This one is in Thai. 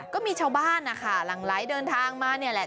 ก็มีชาวบ้านนะคะหลังไหลเดินทางมาเนี่ยแหละ